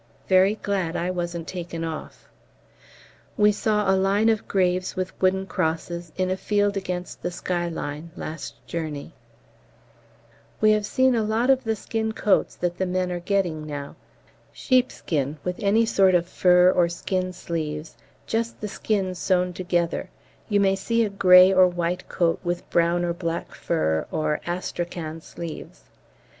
Very glad I wasn't taken off. We saw a line of graves with wooden crosses, in a field against the skyline, last journey. We have seen a lot of the skin coats that the men are getting now. Sheepskin, with any sort of fur or skin sleeves, just the skins sewn together; you may see a grey or white coat with brown or black fur or astrakhan sleeves.